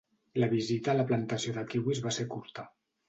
La visita a la plantació de kiwis va ser curta.